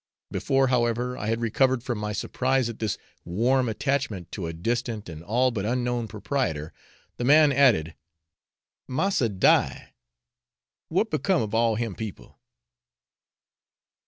Before, however, I had recovered from my surprise at this warm 'attachment' to a distant and all but unknown proprietor, the man added, 'massa die, what become of all him people?'